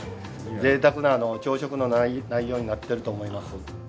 ぜいたくな朝食の内容になっていると思います。